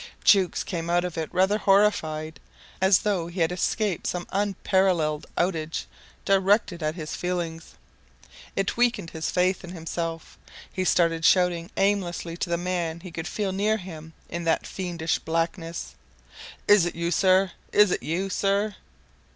Jukes came out of it rather horrified, as though he had escaped some unparalleled outrage directed at his feelings. It weakened his faith in himself. He started shouting aimlessly to the man he could feel near him in that fiendish blackness, "Is it you, sir? Is it you, sir?"